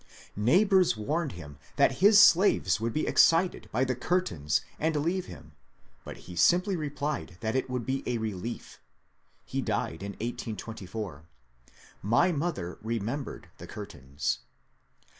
Neighbours warned him that his slaves would be excited by the curtains and leave him, but he simply replied that it would be a relief. He died in 1824. My mother remembered the curtains.